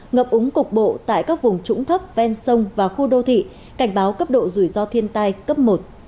ngập úng cục bộ tại các vùng trũng thấp ven sông và khu đô thị cảnh báo cấp độ rủi ro thiên tai cấp một